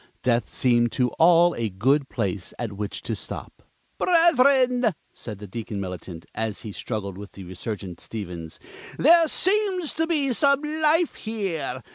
Death seemed to all a good place at which to stop. "Brethren," said the Deacon Militant, as he struggled with the resurgent Stevens, "there seems some life here!